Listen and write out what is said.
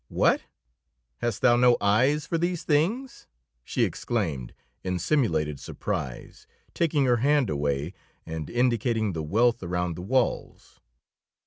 "What! Hast thou no eyes for these things?" she exclaimed in simulated surprise, taking her hand away and indicating the wealth around the walls.